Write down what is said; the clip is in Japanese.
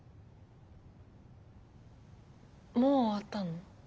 もう終わったの？